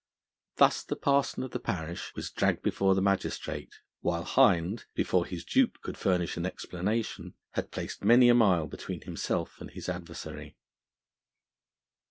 Thus the parson of the parish was dragged before the magistrate, while Hind, before his dupe could furnish an explanation, had placed many a mile between himself and his adversary.